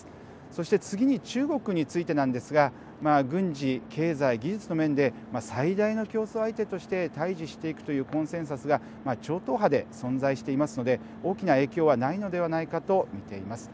そして次に中国についてなんですが軍事、経済、技術の面で最大の競争相手として対じしていくというコンセンサスが超党派で存在していますので大きな影響はないのではないかと見ています。